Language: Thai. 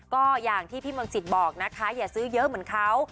ก็อย่างที่ภีมิวัานสิทธิ์บอกนะคะอย่าซื้อเยอะแบบเค้า